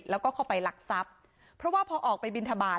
แล้วก็เข้าไปรักทรัพย์เพราะว่าพอออกไปบินทบาท